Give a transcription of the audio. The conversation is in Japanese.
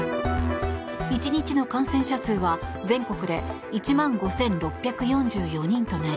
１日の感染者数は全国で１万５６４４人となり